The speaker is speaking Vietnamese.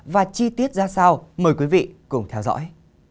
và chi tiết ra sao mời quý vị cùng theo dõi